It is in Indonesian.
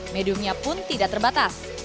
mediumnya pun tidak terbatas